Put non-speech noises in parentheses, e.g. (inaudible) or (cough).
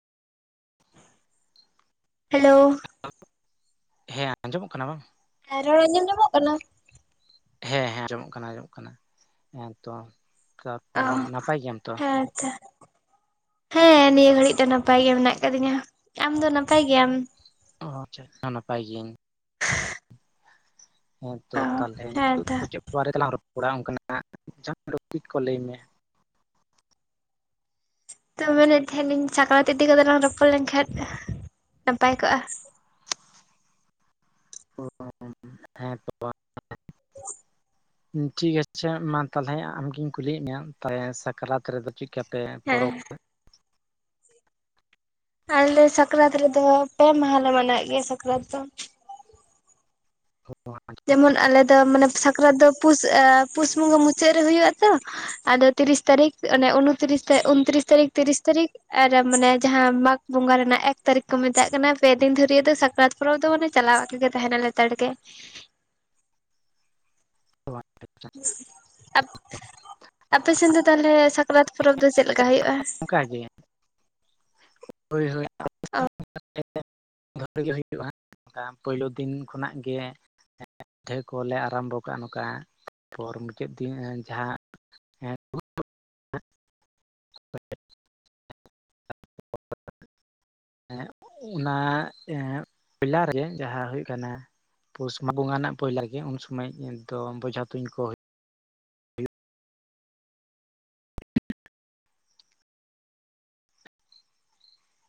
Hello ᱦᱮᱸ ᱟᱸᱡᱚᱢᱚᱜ ᱠᱟᱱᱟ ᱵᱟᱝ ᱮ ᱨᱚᱲ ᱟᱸᱡᱚᱢ ᱧᱟᱢᱚᱜ ᱠᱟᱱᱟ ᱦᱮᱸ ᱦᱮᱸ ᱟᱸᱡᱚᱢᱚᱜ ᱠᱟᱱᱟ ᱟᱸᱡᱚᱢᱚᱜ ᱠᱟᱱᱟ ᱦᱮᱸ ᱛᱚ᱾ ᱛᱟᱨᱯᱚᱨ ᱱᱟᱯᱟᱭ ᱜᱮᱭᱟᱢ ᱛᱚ᱾ ᱟᱪᱪᱷᱟ ᱦᱮᱸ ᱱᱤᱭᱟᱹ ᱜᱷᱟᱹᱲᱤᱡ ᱫᱚ ᱱᱟᱯᱟᱭ ᱜᱮ ᱢᱮᱱᱟᱜ ᱟᱠᱟᱫᱤᱧᱟ᱾ ᱟᱢ ᱫᱚ ᱱᱟᱯᱟᱭ ᱜᱮᱭᱟᱢ? ᱚ ᱟᱪᱪᱷᱟ ᱱᱟᱯᱟᱭ ᱜᱤᱭᱟᱹᱧ ᱦᱮᱸ ᱛᱚ ᱚ ᱛᱟᱦᱚᱞᱮ ᱦᱮᱸ ᱱᱤᱛᱚᱜ ᱛᱚ ᱪᱮᱫ ᱵᱟᱨᱮ ᱛᱮᱞᱟᱝ ᱨᱚᱯᱚᱲᱟ ᱚᱱᱠᱟᱱᱟᱜ ᱴᱚᱯᱤᱠ ᱠᱚ ᱞᱟᱹᱭ ᱢᱮ᱾ ᱛᱚ ᱢᱮᱱᱼᱮᱫ ᱛᱟᱦᱮᱞᱤᱧ ᱥᱟᱠᱨᱟᱛ ᱤᱫᱤ ᱠᱟᱛᱮᱜ ᱞᱟᱝ ᱨᱚᱯᱚᱲ ᱞᱮᱠᱦᱟᱱ ᱱᱟᱯᱟᱭ ᱠᱚᱜᱼᱟ᱾ ᱦᱳᱭ (unintelligible) ᱦᱮᱸ ᱛᱚ (inaudible) ᱴᱷᱤᱠ ᱟᱪᱷᱮ ᱢᱟ ᱛᱟᱦᱚᱞᱮ ᱟᱢᱜᱤᱧ ᱠᱩᱞᱤᱭᱮᱫ ᱢᱮᱭᱟ᱾ ᱥᱟᱠᱨᱟᱛ ᱨᱮᱫᱚ ᱪᱮᱠᱟ ᱯᱮ ᱦᱮᱸ ᱯᱚᱨᱚᱵᱽ ᱟᱞᱮ ᱥᱟᱠᱨᱟᱛ ᱨᱮᱫᱚ ᱯᱮ ᱢᱟᱦᱟᱞᱮ ᱢᱟᱱᱟᱣ ᱭᱮᱫ ᱜᱮᱭᱟ ᱥᱟᱠᱨᱟᱛ ᱫᱚ (unintelligible) ᱡᱮᱢᱚᱱ ᱟᱞᱮ ᱫᱚ ᱢᱟᱱᱮ ᱥᱟᱠᱨᱟᱛ ᱫᱚ ᱯᱩᱥ ᱯᱩᱥ ᱵᱚᱸᱜᱟ ᱢᱩᱪᱟᱹᱫ ᱨᱮ ᱦᱳᱭᱳᱜᱼᱟ ᱛᱚ᱾ ᱟᱫᱚ ᱛᱤᱨᱤᱥ ᱛᱟᱨᱤᱠᱷ ᱩᱱᱨᱤᱥ ᱩᱱᱛᱨᱤᱥ ᱛᱟᱨᱤᱠᱷ ᱛᱤᱨᱤᱥ ᱛᱟᱨᱤᱠᱷ ᱟᱨ ᱢᱟᱱᱮ ᱡᱟᱦᱟᱸ ᱢᱟᱜᱽ ᱵᱚᱸᱜᱟ ᱨᱮᱱᱟᱜ ᱮᱠ ᱛᱟᱹᱨᱤᱠᱷ ᱠᱚ ᱢᱮᱛᱟᱜ ᱠᱟᱱᱟ ᱯᱮ ᱫᱤᱱ ᱫᱷᱩᱨᱤᱭᱟᱹ ᱫᱚ ᱥᱟᱠᱨᱟᱛ ᱯᱚᱨᱚᱵᱽ ᱫᱚ ᱢᱟᱱᱮ ᱪᱟᱞᱟᱜ ᱜᱮ ᱛᱟᱦᱮᱱᱟ ᱞᱮᱛᱟᱲ ᱜᱮ᱾ (inaudible) (inaudible) ᱟᱯ ᱟᱯᱮᱥᱮᱱ ᱫᱚ ᱛᱟᱦᱚᱞᱮ ᱥᱟᱠᱨᱟᱛ ᱯᱚᱨᱚᱵᱽ ᱫᱚ ᱪᱮᱫᱞᱮᱠᱟ ᱦᱩᱭᱩᱜᱼᱟ? ᱚᱱᱠᱟ ᱜᱮ᱾ ᱦᱳᱭ ᱦᱳᱭ᱾ ᱚ᱾ ᱦᱮᱸ (unintelligible) ᱚᱱᱠᱟ ᱯᱳᱭᱞᱳ ᱫᱤᱱ ᱠᱷᱚᱱᱟᱜ ᱜᱮ᱾ ᱯᱤᱴᱷᱟᱹ ᱠᱚᱞᱮ ᱟᱨᱟᱢᱵᱚ ᱠᱟᱜᱼᱟ ᱱᱚᱝᱠᱟ ᱛᱟᱨᱯᱚᱨ ᱢᱩᱪᱟᱹᱫ ᱫᱤᱱ ᱡᱟᱦᱟᱸ ᱦᱮᱸ᱾ ᱚᱱᱟ ᱯᱚᱭᱞᱟ ᱨᱮᱜᱮ ᱡᱟᱦᱟᱸ ᱦᱩᱭᱩᱜ ᱠᱟᱱᱟ ᱯᱩᱥ ᱵᱚᱸᱜᱟ ᱨᱮᱱᱟᱜ ᱯᱳᱭᱞᱟ ᱜᱮ ᱩᱱ ᱥᱚᱢᱚᱭ ᱫᱚ ᱵᱚᱡᱷᱟ ᱛᱩᱧ ᱠᱚ